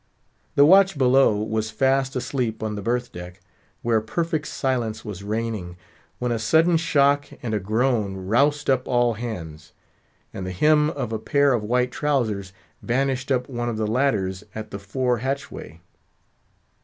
The watch below was fast asleep on the berth deck, where perfect silence was reigning, when a sudden shock and a groan roused up all hands; and the hem of a pair of white trowsers vanished up one of the ladders at the fore hatchway.